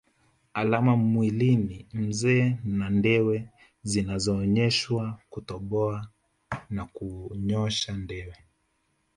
Alama mwilini mzee na ndewe zilizonyooshwa Kutoboa na kunyosha ndewe